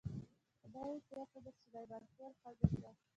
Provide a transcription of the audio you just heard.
خدۍ بېرته د سلیمان خېل ښځه شوه.